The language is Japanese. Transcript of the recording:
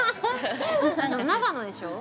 ◆長野でしょう。